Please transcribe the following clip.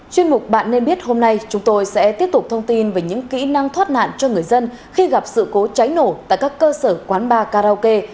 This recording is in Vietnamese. chuyên mục bạn nên biết hôm nay chúng tôi sẽ tiếp tục thông tin về những kỹ năng thoát nạn cho người dân khi gặp sự cố cháy nổ tại các cơ sở quán bar karaoke